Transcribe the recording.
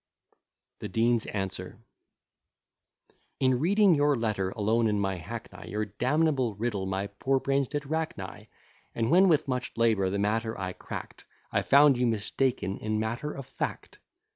THE DEAN'S ANSWER In reading your letter alone in my hackney, Your damnable riddle my poor brains did rack nigh. And when with much labour the matter I crack'd, I found you mistaken in matter of fact.